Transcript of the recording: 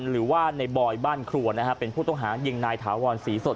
หรือว่าในบอยบ้านครัวนะฮะเป็นผู้ต้องหายิงนายถาวรศรีสด